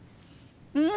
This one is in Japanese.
うん！